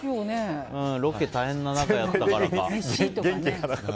ロケ大変な中やったからか。